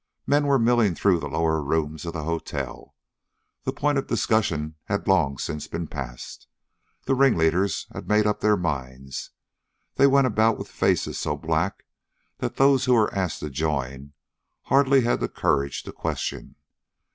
Men were milling through the lower rooms of the hotel. The point of discussion had long since been passed. The ringleaders had made up their minds. They went about with faces so black that those who were asked to join, hardly had the courage to question.